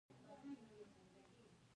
بدخشان د افغانانو د فرهنګي پیژندنې برخه ده.